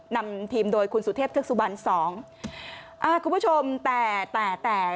นำทีมโดยคุณสุเทพธิกษุบรรณสองคุณผู้ชมแต่แต่แต่